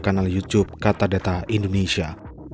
kanal youtube katadata indonesia